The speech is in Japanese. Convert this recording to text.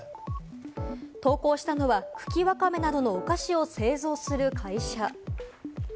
投稿したのは、茎わかめなどのお菓子を製造する会社。